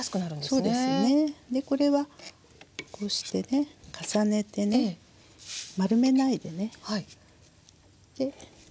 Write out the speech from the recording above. これはこうしてね重ねてね丸めないでね。